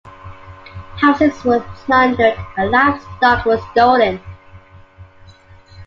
Houses were plundered and livestock were stolen.